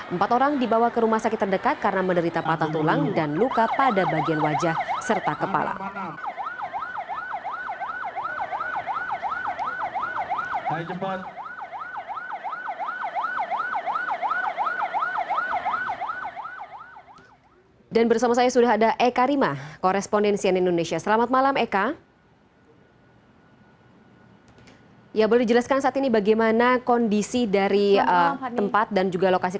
empat orang dibawa ke rumah sakit terdekat karena menderita patah tulang dan luka pada bagian wajah serta kepala